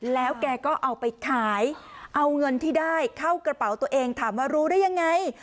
แล้วแกก็เอาไปขายเอาเงินที่ได้เข้ากระเป๋าตัวเองถามว่ารู้ได้ยังไง